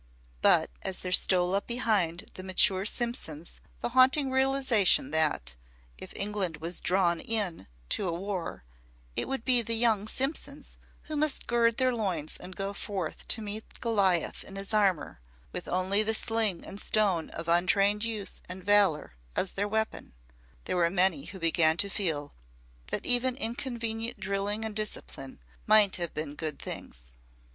But as there stole up behind the mature Simpsons the haunting realization that, if England was "drawn in" to a war, it would be the young Simpsons who must gird their loins and go forth to meet Goliath in his armour, with only the sling and stone of untrained youth and valour as their weapon, there were many who began to feel that even inconvenient drilling and discipline might have been good things.